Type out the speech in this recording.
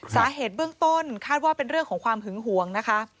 สาเหตุเบื้องต้นคาดว่าเป็นเรื่องของความหึงหวงนะคะ